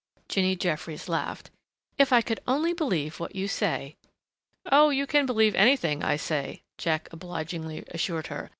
Jinny Jeffries laughed. "If I could only believe what you say!" "Oh, you can believe anything I say," Jack obligingly assured her.